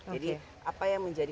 jadi apa yang menjadi